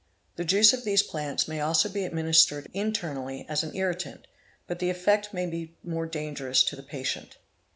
The juice of these plants may also be administered internally as an irritant but the effect may be more dangerous to the patient.